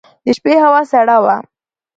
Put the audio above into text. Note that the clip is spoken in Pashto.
د شپې هوا سړه وه.